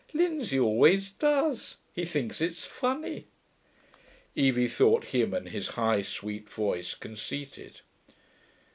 'Linsey always does; he thinks it's funny.' Evie thought him and his high sweet voice conceited.